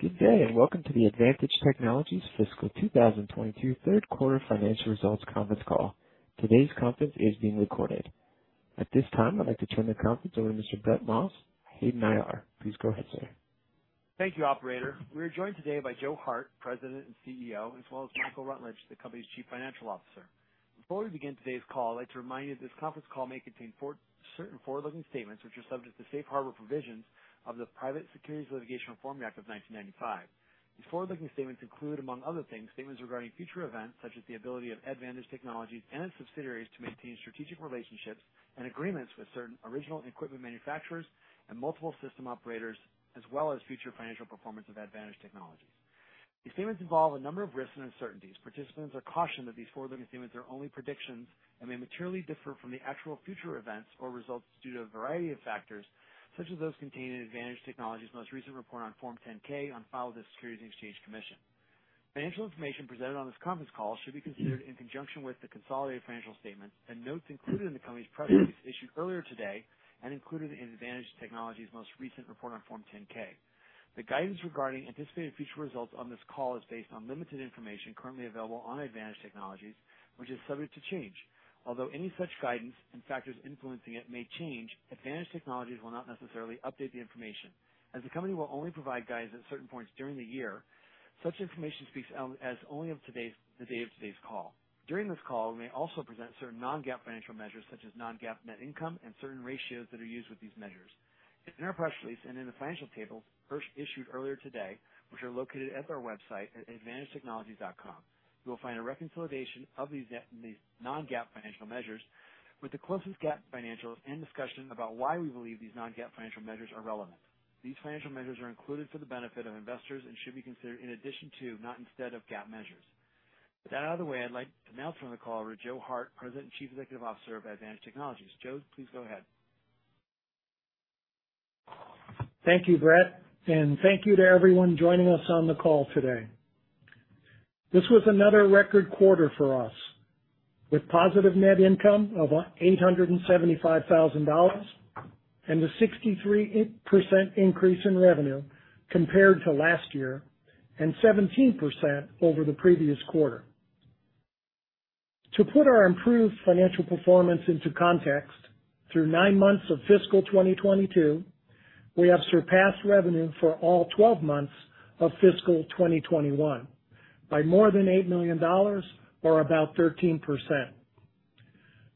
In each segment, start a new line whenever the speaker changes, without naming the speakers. Good day, and welcome to the ADDvantage Technologies Fiscal 2022 Q3 Financial Results Conference Call. Today's conference is being recorded. At this time, I'd like to turn the conference over to Mr. Brett Maas, Hayden IR. Please go ahead, sir.
Thank you, operator. We are joined today by Joe Hart, President and CEO, as well as Michael Rutledge, the company's Chief Financial Officer. Before we begin today's call, I'd like to remind you this conference call may contain forward-looking statements which are subject to safe harbor provisions of the Private Securities Litigation Reform Act of 1995. These forward-looking statements include, among other things, statements regarding future events such as the ability of ADDvantage Technologies and its subsidiaries to maintain strategic relationships and agreements with certain original equipment manufacturers and multiple system operators, as well as future financial performance of ADDvantage Technologies. These statements involve a number of risks and uncertainties. Participants are cautioned that these forward-looking statements are only predictions and may materially differ from the actual future events or results due to a variety of factors, such as those contained in ADDvantage Technologies' most recent report on Form 10-K on file with the Securities and Exchange Commission. Financial information presented on this conference call should be considered in conjunction with the consolidated financial statements and notes included in the company's press release issued earlier today and included in ADDvantage Technologies' most recent report on Form 10-K. The guidance regarding anticipated future results on this call is based on limited information currently available on ADDvantage Technologies, which is subject to change. Although any such guidance and factors influencing it may change, ADDvantage Technologies will not necessarily update the information. As the company will only provide guidance at certain points during the year, such information speaks only as of today's, the day of today's call. During this call, we may also present certain non-GAAP financial measures such as non-GAAP net income and certain ratios that are used with these measures. In our press release and in the financial tables first issued earlier today, which are located at our website at addvantagetechnologies.com, you will find a reconciliation of these non-GAAP financial measures with the closest GAAP financials and discussion about why we believe these non-GAAP financial measures are relevant. These financial measures are included for the benefit of investors and should be considered in addition to, not instead of, GAAP measures. With that out of the way, I'd like to now turn the call over to Joe Hart, President and Chief Executive Officer of ADDvantage Technologies. Joe, please go ahead.
Thank you, Brett, and thank you to everyone joining us on the call today. This was another record quarter for us with positive net income of $875,000 and a 63% increase in revenue compared to last year and 17% over the previous quarter. To put our improved financial performance into context, through nine months of fiscal 2022, we have surpassed revenue for all twelve months of fiscal 2021 by more than $8 million or about 13%.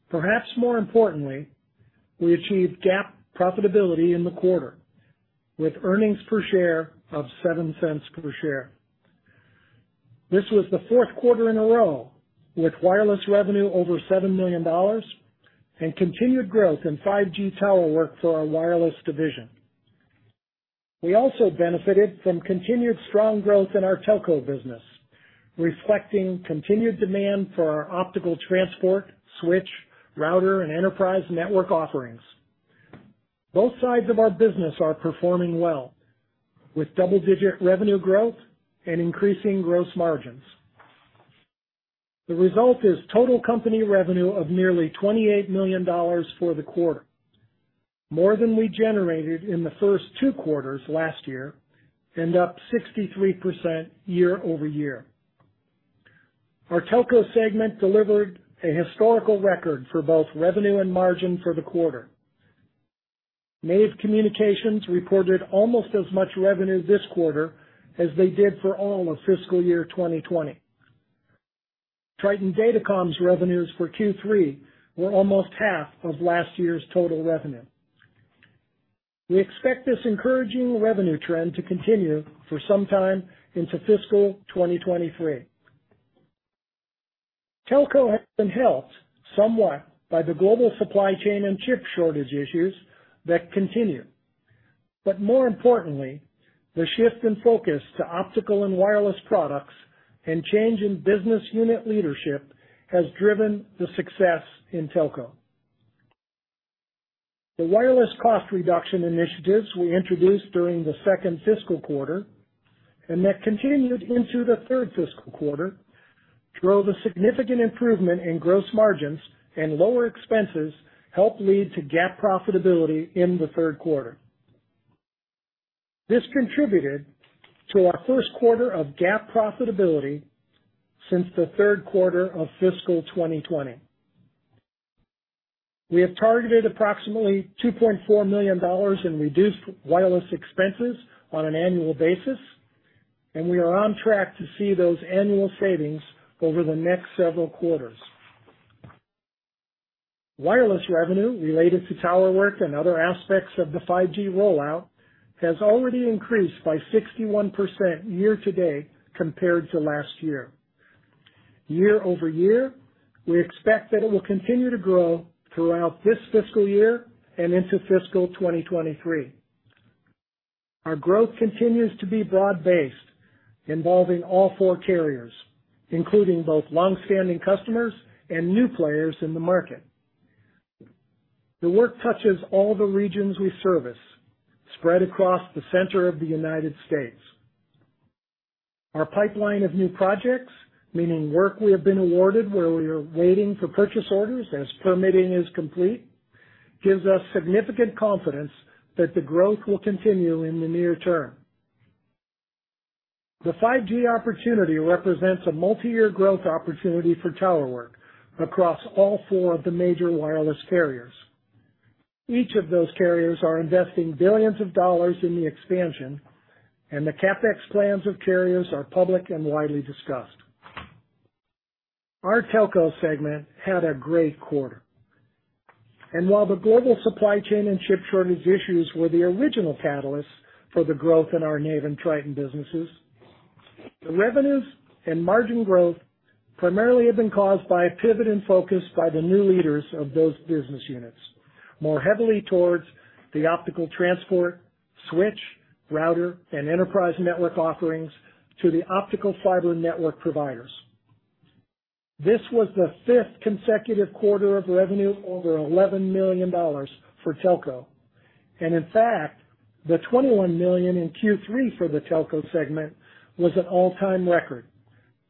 Perhaps more importantly, we achieved GAAP profitability in the quarter with earnings per share of $0.07. This was the Q4 in a row with wireless revenue over $7 million and continued growth in 5G tower work for our wireless division. We also benefited from continued strong growth in our telco business, reflecting continued demand for our optical transport, switch, router, and enterprise network offerings. Both sides of our business are performing well with double-digit revenue growth and increasing gross margins. The result is total company revenue of nearly $28 million for the quarter, more than we generated in the first two quarters last year and up 63% year-over-year. Our telco segment delivered a historical record for both revenue and margin for the quarter. Nave Communications reported almost as much revenue this quarter as they did for all of fiscal year 2020. Triton Datacom's revenues for Q3 were almost half of last year's total revenue. We expect this encouraging revenue trend to continue for some time into fiscal 2023. Telco has been helped somewhat by the global supply chain and chip shortage issues that continue. more importantly, the shift in focus to optical and wireless products and change in business unit leadership has driven the success in telco. The wireless cost reduction initiatives we introduced during the second fiscal quarter and that continued into the third fiscal quarter drove a significant improvement in gross margins, and lower expenses helped lead to GAAP profitability in the Q3. This contributed to our Q1 of GAAP profitability since the Q3 of fiscal 2020. We have targeted approximately $2.4 million in reduced wireless expenses on an annual basis, and we are on track to see those annual savings over the next several quarters. Wireless revenue related to tower work and other aspects of the 5G rollout has already increased by 61% year to date compared to last year. Year over year, we expect that it will continue to grow throughout this fiscal year and into fiscal 2023. Our growth continues to be broad-based, involving all four carriers, including both longstanding customers and new players in the market. The work touches all the regions we service, spread across the center of the United States. Our pipeline of new projects, meaning work we have been awarded where we are waiting for purchase orders as permitting is complete, gives us significant confidence that the growth will continue in the near term. The 5G opportunity represents a multi-year growth opportunity for Tower Work across all four of the major wireless carriers. Each of those carriers are investing billions of dollars in the expansion, and the CapEx plans of carriers are public and widely discussed. Our telco segment had a great quarter, while the global supply chain and chip shortage issues were the original catalyst for the growth in our Nave and Triton businesses, the revenues and margin growth primarily have been caused by a pivot and focus by the new leaders of those business units more heavily towards the optical transport, switch, router, and enterprise network offerings to the optical fiber network providers. This was the fifth consecutive quarter of revenue over $11 million for telco, and in fact, the $21 million in Q3 for the telco segment was an all-time record,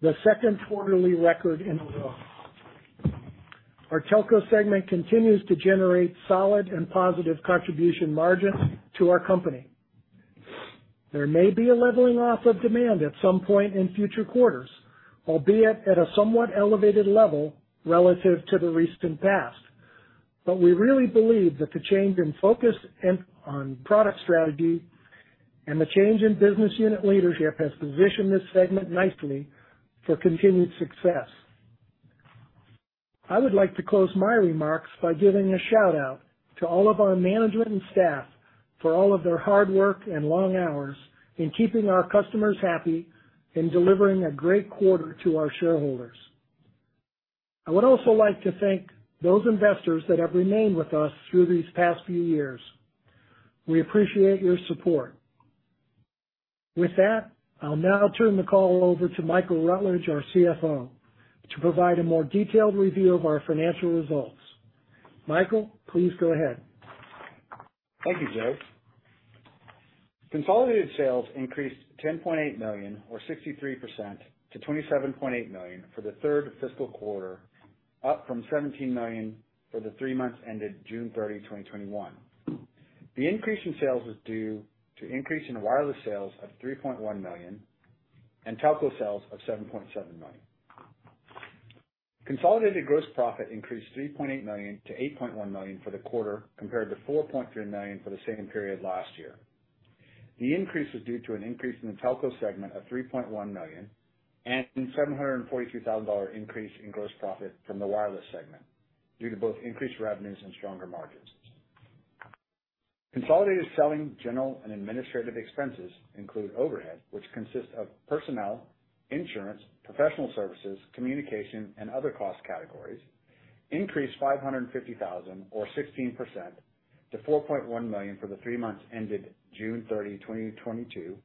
the Q2 record in a row. Our telco segment continues to generate solid and positive contribution margins to our company. There may be a leveling off of demand at some point in future quarters, albeit at a somewhat elevated level relative to the recent past. We really believe that the change in focus and on product strategy and the change in business unit leadership has positioned this segment nicely for continued success. I would like to close my remarks by giving a shout-out to all of our management and staff for all of their hard work and long hours in keeping our customers happy and delivering a great quarter to our shareholders. I would also like to thank those investors that have remained with us through these past few years. We appreciate your support. With that, I'll now turn the call over to Michael Rutledge, our CFO, to provide a more detailed review of our financial results. Michael, please go ahead.
Thank you, Joe. Consolidated sales increased $10.8 million or 63% to $27.8 million for the third fiscal quarter, up from $17 million for the three months ended June 30, 2021. The increase in sales was due to increase in wireless sales of $3.1 million and telco sales of $7.7 million. Consolidated gross profit increased $3.8 million to $8.1 million for the quarter compared to $4.3 million for the same period last year. The increase was due to an increase in the telco segment of $3.1 million and $742,000 increase in gross profit from the wireless segment due to both increased revenues and stronger margins. Consolidated selling general and administrative expenses include overhead, which consists of personnel, insurance, professional services, communication, and other cost categories, increased $550,000 or 16% to $4.1 million for the three months ended June 30, 2022,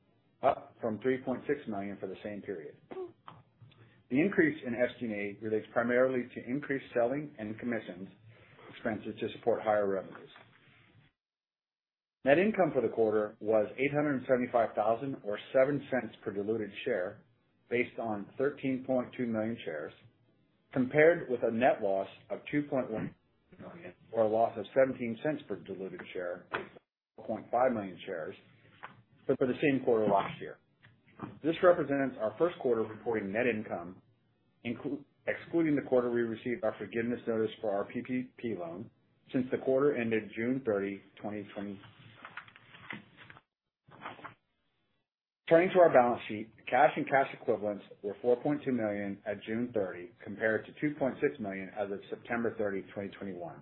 up from $3.6 million for the same period. The increase in SG&A relates primarily to increased selling and commissions expenses to support higher revenues. Net income for the quarter was $875,000 or $0.07 per diluted share based on 13.2 million shares, compared with a net loss of $2.1 million, or a loss of $0.17 per diluted share, 15.5 million shares for the same quarter last year. This represents our Q1 reporting net income, excluding the quarter we received our forgiveness notice for our PPP loan since the quarter ended June 30, 2020. Turning to our balance sheet, cash and cash equivalents were $4.2 million at June 30 compared to $2.6 million as of September 30, 2021.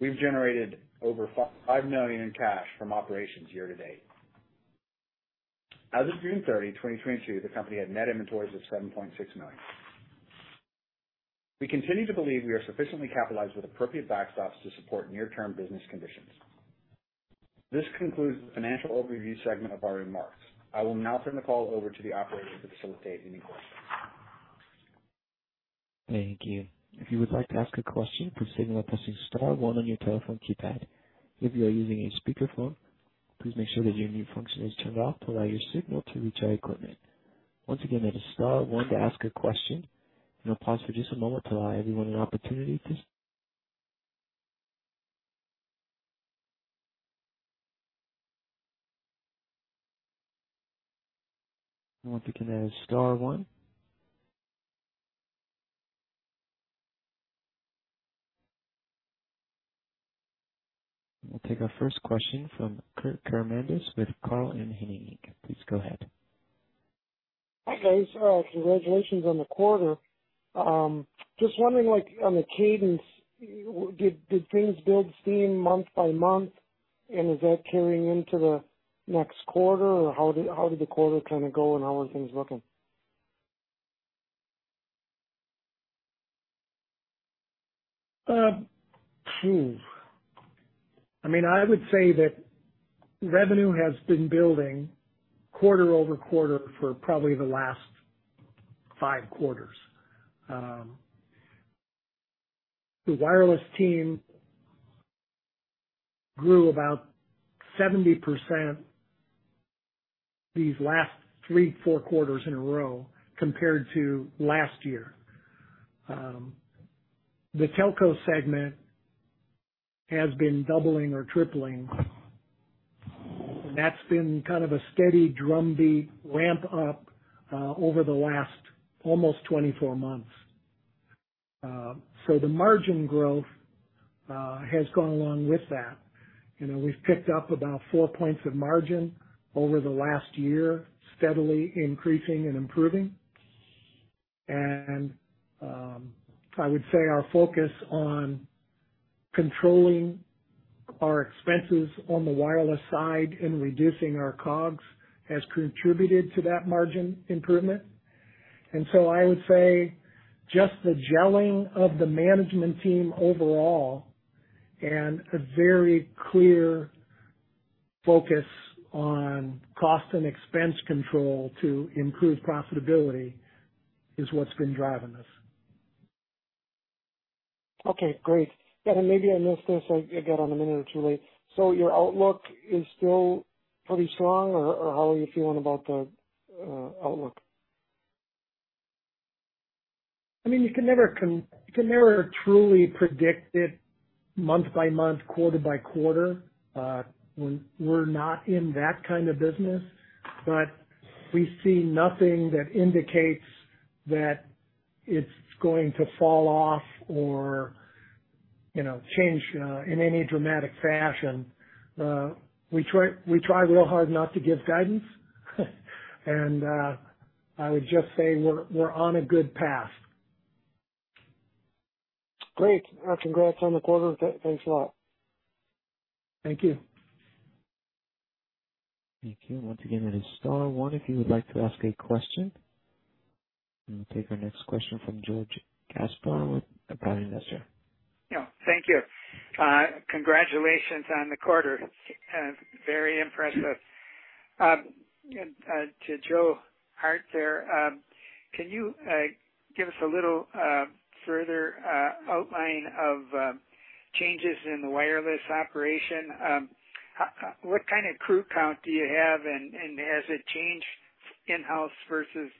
We've generated over $5 million in cash from operations year to date. As of June 30, 2022, the company had net inventories of $7.6 million. We continue to believe we are sufficiently capitalized with appropriate backstops to support near-term business conditions. This concludes the financial overview segment of our remarks. I will now turn the call over to the operator to facilitate any questions.
Thank you. If you would like to ask a question, please signal by pressing star one on your telephone keypad. If you are using a speakerphone, please make sure that your mute function is turned off to allow your signal to reach our equipment. Once again, that is star one to ask a question, and I'll pause for just a moment to allow everyone an opportunity. Once again, that is star one. I'll take our first question from Kurt Karamandas with Carlin & [Associates]. Please go ahead.
Hi, guys. Congratulations on the quarter. Just wondering, like on the cadence, did things build steam month by month, and is that carrying into the next quarter, or how did the quarter kind of go, and how are things looking?
I mean, I would say that revenue has been building quarter-over-quarter for probably the last 5 quarters. The wireless team grew about 70% these last three-four quarters in a row compared to last year. The telco segment has been doubling or tripling. That's been kind of a steady drumbeat ramp up over the last almost 24 months. The margin growth has gone along with that. You know, we've picked up about 4 points of margin over the last year, steadily increasing and improving. I would say our focus on controlling our expenses on the wireless side and reducing our COGS has contributed to that margin improvement. I would say just the gelling of the management team overall and a very clear focus on cost and expense control to improve profitability is what's been driving this.
Okay, great. Yeah, maybe I missed this. I got on a minute or two late. Your outlook is still pretty strong or how are you feeling about the outlook?
I mean, you can never truly predict it month-by-month, quarter-by-quarter. We're not in that kind of business, but we see nothing that indicates that it's going to fall off or, you know, change in any dramatic fashion. We try real hard not to give guidance, and I would just say we're on a good path.
Great. Congrats on the quarter. Thanks a lot.
Thank you.
Thank you. Once again, that is star one if you would like to ask a question. We'll take our next question from George Gaspar with Private Investor.
Yeah. Thank you. Congratulations on the quarter. Very impressive. To Joe Hart there, can you give us a little further outline of changes in the wireless operation? What kind of crew count do you have, and has it changed in-house versus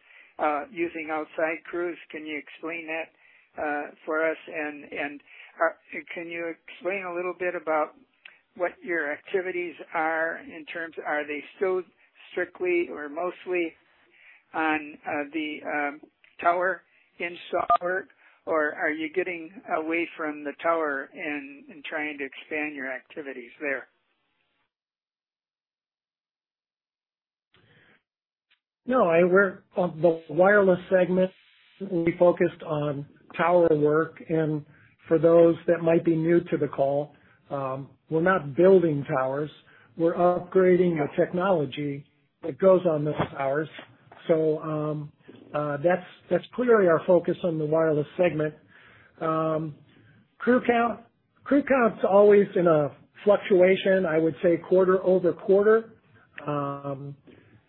using outside crews? Can you explain that for us? Can you explain a little bit about what your activities are. Are they still strictly or mostly on the tower install work, or are you getting away from the tower and trying to expand your activities there?
No, we're on the wireless segment, we focused on tower work. For those that might be new to the call, we're not building towers. We're upgrading the technology that goes on the towers. That's clearly our focus on the wireless segment. Crew count. Crew count's always in a fluctuation, I would say, quarter-over-quarter.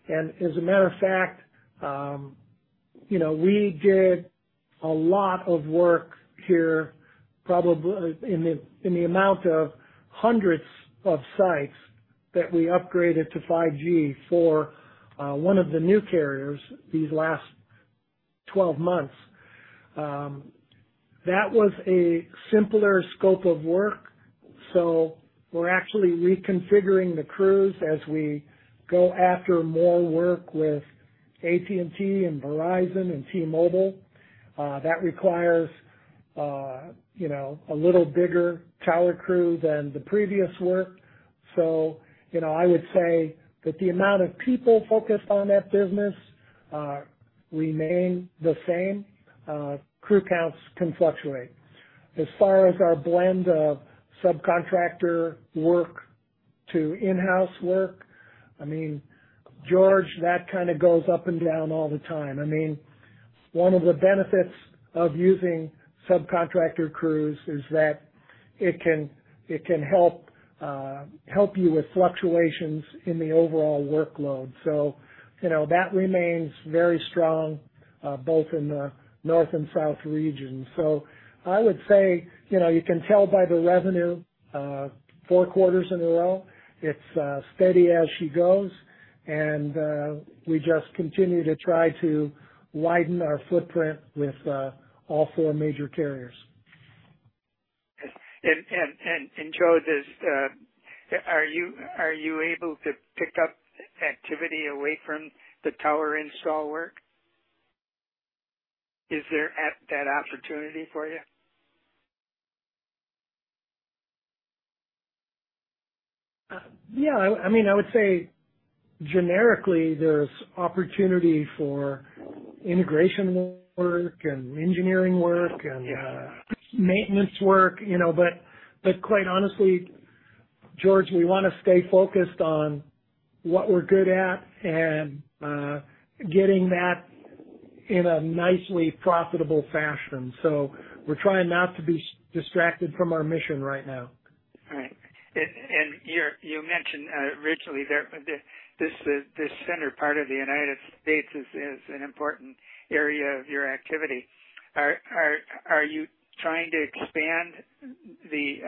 As a matter of fact, we did a lot of work here, probably in the amount of hundreds of sites that we upgraded to 5G for one of the new carriers these last 12 months. That was a simpler scope of work. We're actually reconfiguring the crews as we go after more work with AT&T and Verizon and T-Mobile. That requires a little bigger tower crew than the previous work. You know, I would say that the amount of people focused on that business remain the same. Crew counts can fluctuate. As far as our blend of subcontractor work to in-house work, I mean, George, that kind of goes up and down all the time. I mean, one of the benefits of using subcontractor crews is that it can help you with fluctuations in the overall workload. You know, that remains very strong both in the north and south region. I would say, you know, you can tell by the revenue four quarters in a row, it's steady as she goes. We just continue to try to widen our footprint with all four major carriers.
Joe, are you able to pick up activity away from the tower install work? Is there that opportunity for you?
I mean, I would say generically there's opportunity for integration work and engineering work and, maintenance work, you know. But quite honestly, George, we wanna stay focused on what we're good at and, getting that in a nicely profitable fashion. We're trying not to be distracted from our mission right now.
Right. You mentioned this center part of the United States is an important area of your activity. Are you trying to expand the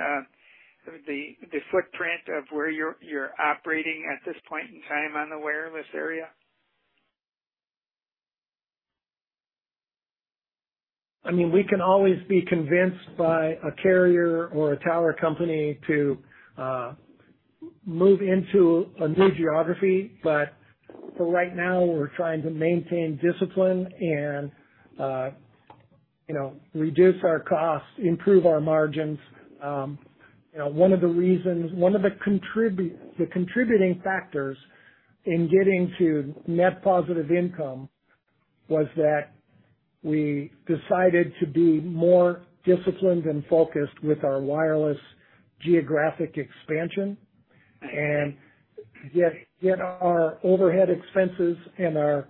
footprint of where you're operating at this point in time on the wireless area?
I mean, we can always be convinced by a carrier or a tower company to move into a new geography. For right now, we're trying to maintain discipline and you know, reduce our costs, improve our margins. You know, the contributing factors in getting to net positive income was that we decided to be more disciplined and focused with our wireless geographic expansion and get our overhead expenses and our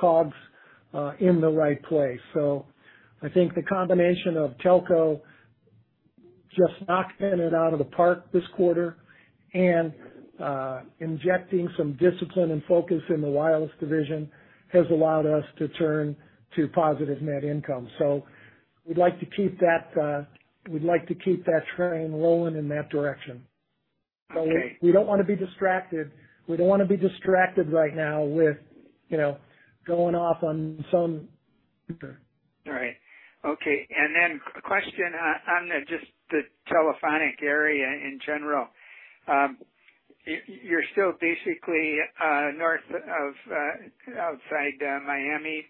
COGS in the right place. I think the combination of telco just knocking it out of the park this quarter and injecting some discipline and focus in the wireless division has allowed us to turn to positive net income. We'd like to keep that, we'd like to keep that train rolling in that direction.
Okay.
We don't want to be distracted right now with, you know, going off on some
All right. Okay. Then a question on just the telephonic area in general. You're still basically north of outside Miami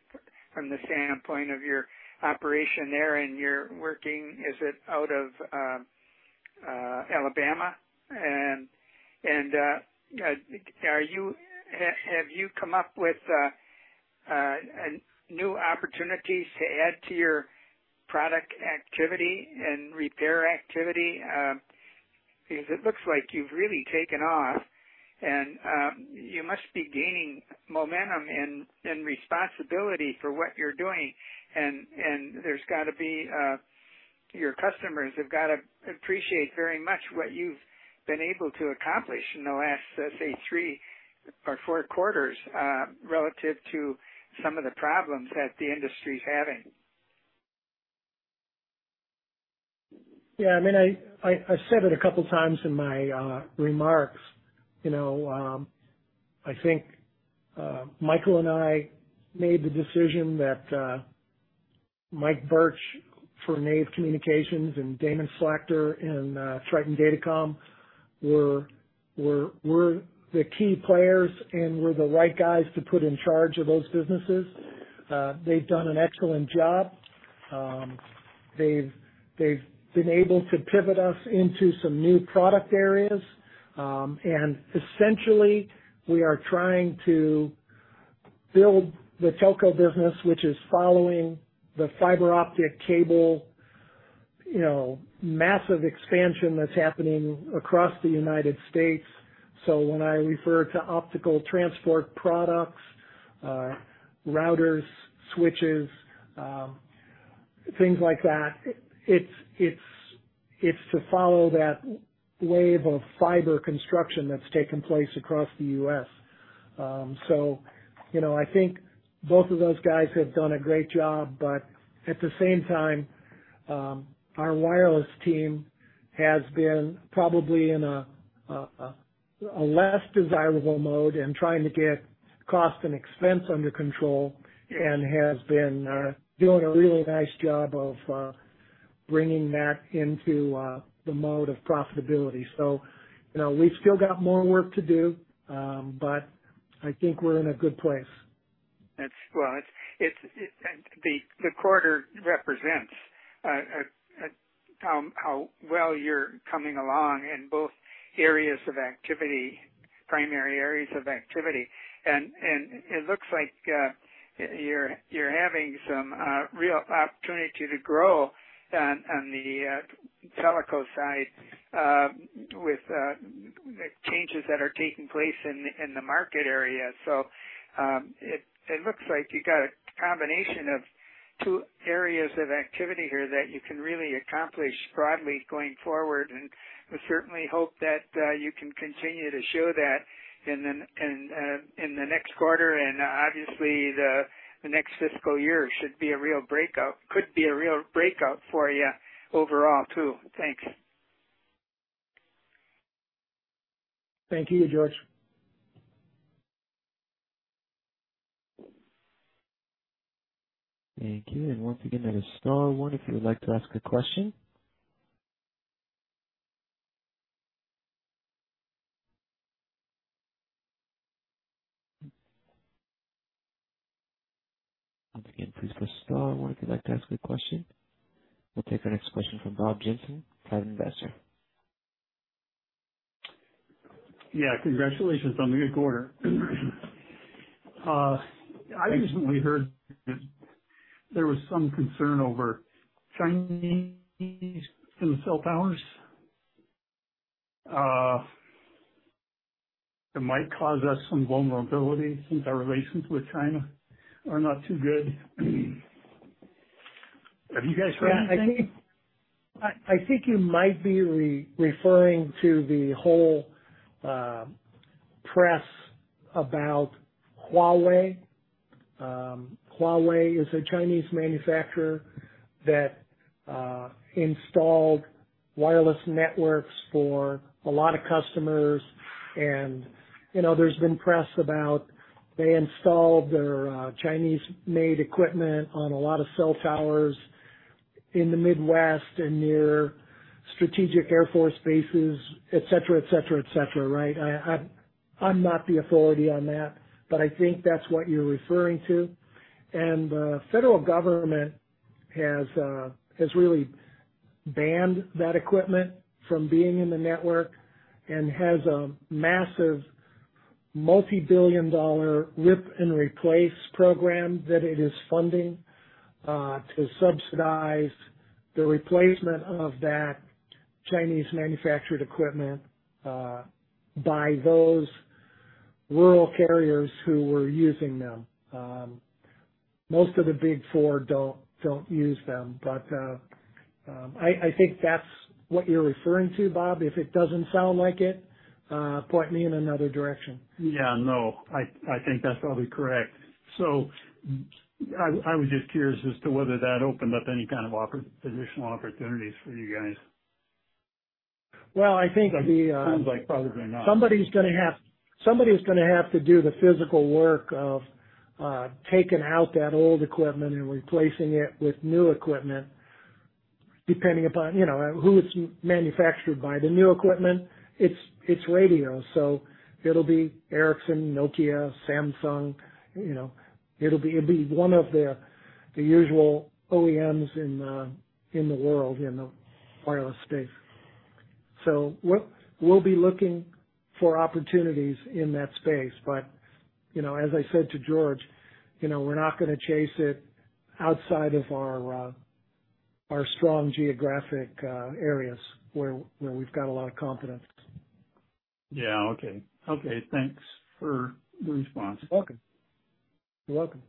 from the standpoint of your operation there and you're working, is it out of Alabama? Have you come up with new opportunities to add to your product activity and repair activity? Because it looks like you've really taken off and you must be gaining momentum and responsibility for what you're doing. There's got to be, your customers have got to appreciate very much what you've been able to accomplish in the last, let's say, three or four quarters relative to some of the problems that the industry is having.
Yeah. I mean, I said it a couple times in my remarks, you know, I think Michael and I made the decision that Mike Burch for Nave Communications and Damon Slachter in Triton Datacom were the key players and were the right guys to put in charge of those businesses. They've done an excellent job. They've been able to pivot us into some new product areas. Essentially we are trying to build the telco business, which is following the fiber optic cable, you know, massive expansion that's happening across the United States. When I refer to optical transport products, routers, switches, things like that, it's to follow that wave of fiber construction that's taken place across the U.S. You know, I think both of those guys have done a great job, but at the same time, our wireless team has been probably in a less desirable mode and trying to get cost and expense under control and has been doing a really nice job of bringing that into the mode of profitability. You know, we've still got more work to do. I think we're in a good place.
Well, it's the quarter represents how well you're coming along in both areas of activity, primary areas of activity. It looks like you're having some real opportunity to grow on the telco side with changes that are taking place in the market area. It looks like you got a combination of two areas of activity here that you can really accomplish broadly going forward. We certainly hope that you can continue to show that in the next quarter. Obviously the next fiscal year should be a real breakout. Could be a real breakout for you overall too. Thanks.
Thank you, George.
Thank you. Once again, that is star one if you would like to ask a question. Once again, please press star one if you'd like to ask a question. We'll take our next question from Bob Jensen, Private Investor.
Yeah, congratulations on the good quarter. I recently heard that there was some concern over Chinese in cell towers. It might cause us some vulnerability since our relations with China are not too good. Have you guys heard anything?
I think you might be referring to the whole press about Huawei. Huawei is a Chinese manufacturer that installed wireless networks for a lot of customers. You know, there's been press about their installing their Chinese-made equipment on a lot of cell towers in the Midwest and near strategic Air Force bases, et cetera, right? I'm not the authority on that, but I think that's what you're referring to. The federal government has really banned that equipment from being in the network and has a massive, multi-billion-dollar rip-and-replace program that it is funding to subsidize the replacement of that Chinese-manufactured equipment by those rural carriers who were using them. Most of the Big Four don't use them. I think that's what you're referring to, Bob. If it doesn't sound like it, point me in another direction.
Yeah, no, I think that's probably correct. I was just curious as to whether that opened up any kind of additional opportunities for you guys.
Well, I think the
Sounds like probably not.
Somebody's gonna have to do the physical work of taking out that old equipment and replacing it with new equipment, depending upon, you know, who it's manufactured by. The new equipment, it's radio, so it'll be Ericsson, Nokia, Samsung. You know, it'll be one of the usual OEMs in the world, in the wireless space. We'll be looking for opportunities in that space. You know, as I said to George, you know, we're not gonna chase it outside of our strong geographic areas where we've got a lot of confidence.
Yeah. Okay. Okay, thanks for the response.
You're welcome. You're welcome.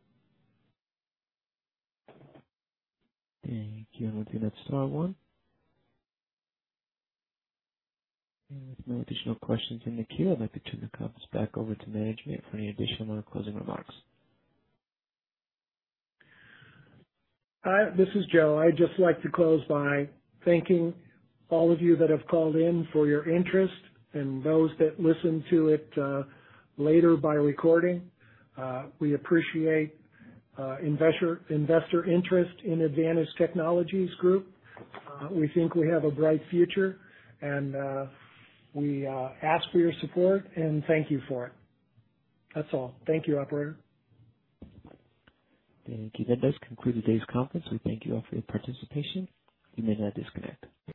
Thank you. We'll do next caller. With no additional questions in the queue, I'd like to turn the conference back over to management for any additional or closing remarks.
This is Joe. I'd just like to close by thanking all of you that have called in for your interest and those that listen to it later by recording. We appreciate investor interest in ADDvantage Technologies Group. We think we have a bright future, and we ask for your support and thank you for it. That's all. Thank you, operator.
Thank you. That does conclude today's conference. We thank you all for your participation. You may now disconnect.